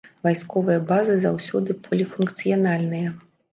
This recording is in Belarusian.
Вайсковыя базы заўсёды поліфункцыянальныя.